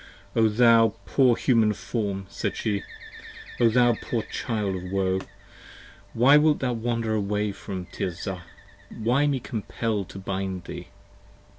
O thou poor Human Form! said she. O thou poor child of woe! 45 Why wilt thou wander away from Tirzah: why me compel to bind thee?